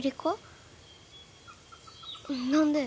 何で？